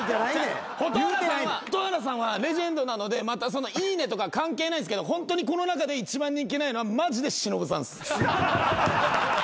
蛍原さんはレジェンドなので「いいね！」とか関係ないですけどホントにこの中で一番人気ないのはマジで忍さんです。